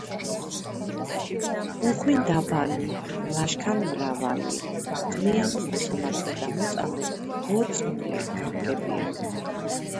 უხვინ დაბალი ლაშქან მრავალი ყმიანი მოსამართლე და მოწამე მორწმული გამგებიანი